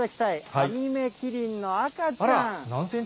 アミメキリンの赤ちゃん。